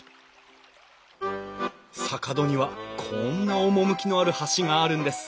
坂戸にはこんな趣のある橋があるんです。